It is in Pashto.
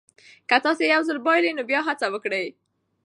که تاسي یو ځل بایللي نو بیا هڅه وکړئ.